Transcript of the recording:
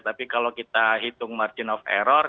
tapi kalau kita hitung margin of error